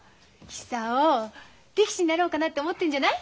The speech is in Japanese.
久男力士になろうかなって思ってんじゃない？